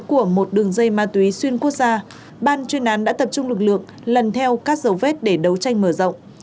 của một đường dây ma túy xuyên quốc gia ban chuyên án đã tập trung lực lượng lần theo các dấu vết để đấu tranh mở rộng